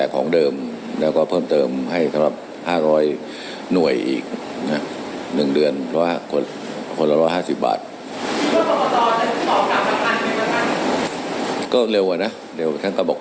ก็เร็วกว่านะ